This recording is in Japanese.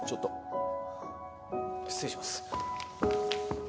失礼します。